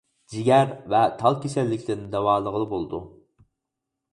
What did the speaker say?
جىگەر ۋە تال كېسەللىكلىرىنى داۋالىغىلى بولىدۇ.